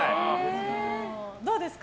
どうですか？